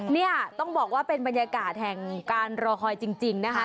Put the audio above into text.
เนี่ยต้องบอกว่าเป็นบรรยากาศแห่งการรอคอยจริงนะคะ